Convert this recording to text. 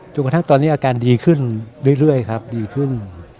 กระทั่งตอนนี้อาการดีขึ้นเรื่อยครับดีขึ้น